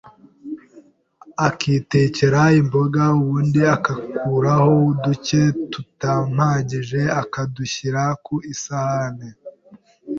akitekera imboga, ubundi agakuraho ducye tutampagije akadushyira ku isahane